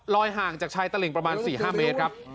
ห่างจากชายตลิงประมาณ๔๕เมตรครับ